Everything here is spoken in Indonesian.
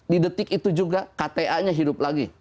di detik itu juga kta nya hidup lagi